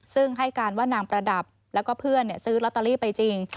ซึ่งให้การว่านางประดับแล้วก็เพื่อนซื้อลอตเตอรี่ไปจริง